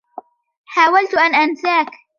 حاولت أن أنساك!